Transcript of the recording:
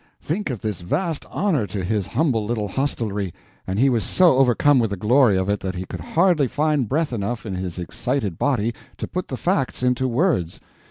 —think of this vast honor to his humble little hostelry!—and he was so overcome with the glory of it that he could hardly find breath enough in his excited body to put the facts into words.